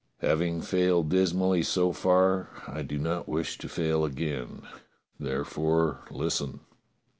Having failed dismally so far, I do not wish to fail again; therefore, listen.